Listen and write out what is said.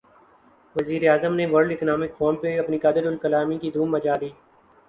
وزیر اعظم نے ورلڈ اکنامک فورم پہ اپنی قادرالکلامی کی دھوم مچا دی